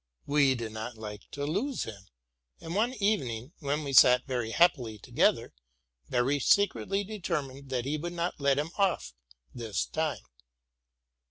We did not like to lose him; and one evening, when we sat very happily together, Behrisch secretly determined that he would not lét him off this time.